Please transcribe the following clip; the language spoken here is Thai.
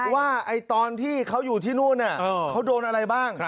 ว่าตอนที่เขาอยู่ที่นู่นเขาโดนอะไรบ้าง